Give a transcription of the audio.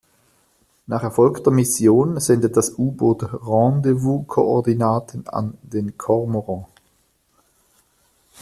Nach erfolgter Mission sendet das U-Boot Rendevouz-Koordinaten an den Cormorant.